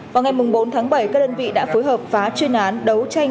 vào ngày bốn tháng bảy các đơn vị đã phối hợp phá chuyên án đấu tranh